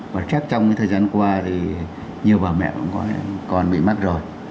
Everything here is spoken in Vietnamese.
và chắc trong thời gian qua thì nhiều bà mẹ cũng còn bị mắc rồi